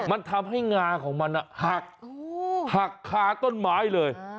มันทำให้งาของมันหักหักคาต้นไม้เลย